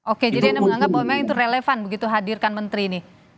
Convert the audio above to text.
oke jadi anda menganggap bahwa memang itu relevan begitu hadirkan menteri ini